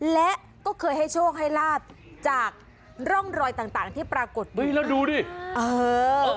และก็เคยให้โชคให้ลาบจากร่องรอยต่างต่างที่ปรากฏเฮ้ยแล้วดูดิเออ